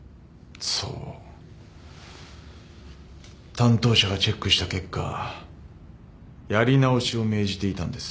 担当者がチェックした結果やり直しを命じていたんです。